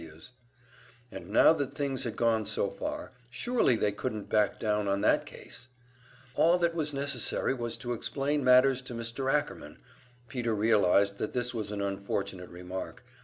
Ws. And now that things had gone so far, surely they couldn't back down on that case! All that was necessary was to explain matters to Mr. Ackerman Peter realized that this was an unfortunate remark.